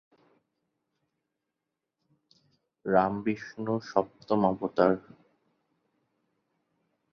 রাম বিষ্ণুর সপ্তম অবতার।